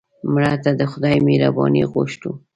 مړه ته د خدای مهرباني غوښتو